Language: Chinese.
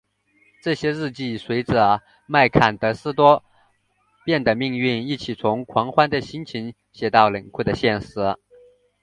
这些日记随着麦坎德斯多变的命运一起从狂喜的心情写到冷酷的现实。